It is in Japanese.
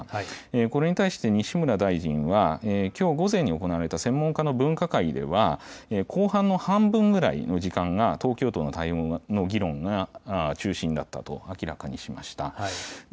これに対して西村大臣は、きょう午前に行われた専門家の分科会では、後半の半分ぐらいの時間が東京都の対応の議論が中心だったと明らかにしました。